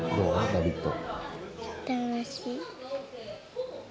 「ラヴィット！」